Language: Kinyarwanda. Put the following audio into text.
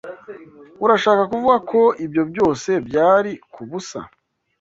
Urashaka kuvuga ko ibyo byose byari kubusa?